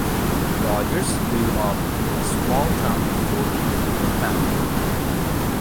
Rogers grew up in the small town of Lodi with her family.